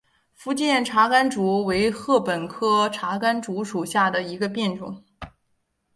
福建茶竿竹为禾本科茶秆竹属下的一个变种。